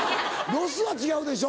ロスは違うでしょ？